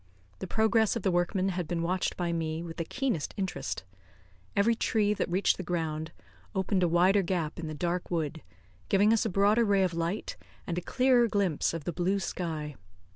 The progress of the workmen had been watched by me with the keenest interest. Every tree that reached the ground opened a wider gap in the dark wood, giving us a broader ray of light and a clearer glimpse of the blue sky.